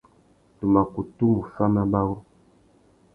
Tu mà kutu mù fá mabarú.